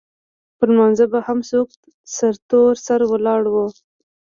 پر لمانځه به هم څوک سرتور سر ولاړ وو.